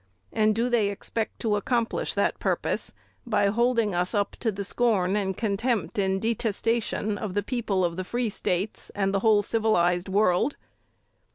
And do they expect to accomplish that purpose by holding us up to the scorn and contempt and detestation of the people of the Free States and the whole civilized world?...